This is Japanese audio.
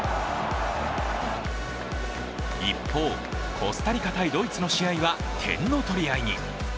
一方、コスタリカ×ドイツの試合は点の取り合いに。